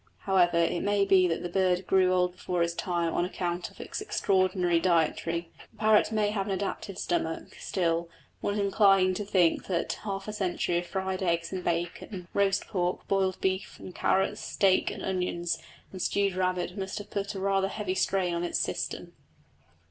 However, it may be that the bird grew old before its time on account of its extraordinary dietary. The parrot may have an adaptive stomach, still, one is inclined to think that half a century of fried eggs and bacon, roast pork, boiled beef and carrots, steak and onions, and stewed rabbit must have put a rather heavy strain on its system.